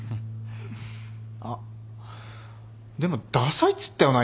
あっでもダサいっつったよな？